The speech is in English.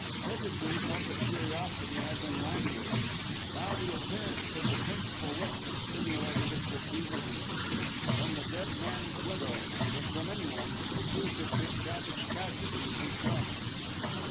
Hitherto public curiosity had been languid; now the appearance of the principal witness stimulated it to fever heat. From the dead man's widow, if from anyone, the truth of this strange tragedy should come.